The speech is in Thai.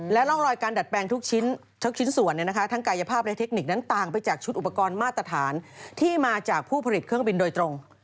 ร่องรอยการดัดแปลงทุกชิ้นส่วนทั้งกายภาพและเทคนิคนั้นต่างไปจากชุดอุปกรณ์มาตรฐานที่มาจากผู้ผลิตเครื่องบินโดยตรง